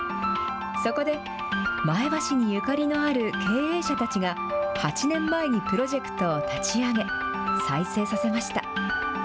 そこで、前橋にゆかりのある経営者たちが、８年前にプロジェクトを立ち上げ、再生させました。